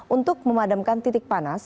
untuk memadamkan titik panas